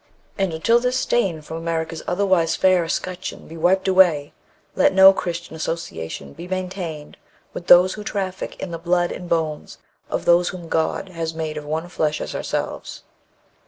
And until this stain from America's otherwise fair escutcheon be wiped away, let no Christian association be maintained with those who traffic in the blood and bones of those whom God has made of one flesh as yourselves.